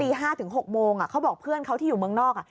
๕ถึง๖โมงเขาบอกเพื่อนเขาที่อยู่เมืองนอก